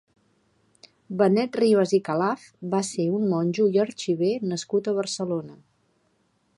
Benet Ribas i Calaf va ser un monjo i arxiver nascut a Barcelona.